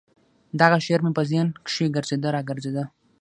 دغه شعر مې په ذهن کښې ګرځېده راګرځېده.